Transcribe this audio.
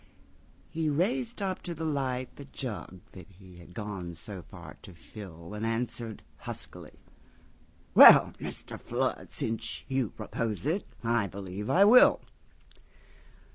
He raised up to the lightThe jug that he had gone so far to fill, And answered huskily: "Well, Mr. Flood, Since you propose it, I believe I will."